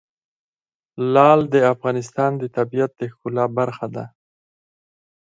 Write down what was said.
لعل د افغانستان د طبیعت د ښکلا برخه ده.